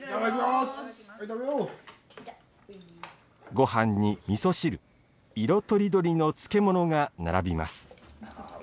ごはんに、みそ汁色とりどりの漬物が並びます。